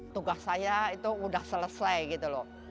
tugas saya itu udah selesai gitu loh